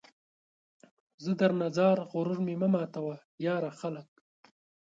زه درنه ځار ، غرور مې مه ماتوه ، یاره ! خلک